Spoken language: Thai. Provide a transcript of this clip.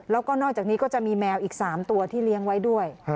แล้วก็นอกจากนี้ก็จะมีแมวอีก๓ตัวที่เลี้ยงไว้ด้วย